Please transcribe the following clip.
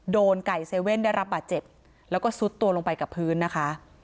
โดนไก่เซเว่นได้รับบาดเจ็บแล้วก็ซุดตัวลงไปกับพื้นนะคะ